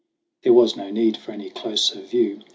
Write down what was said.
There was no need for any closer view.